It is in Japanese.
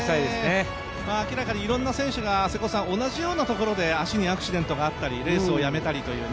明らかにいろんな選手が同じようなところで足にアクシデントがあったりレースをやめたりというね。